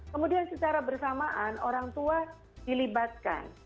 kemudian secara bersamaan orang tua dilibatkan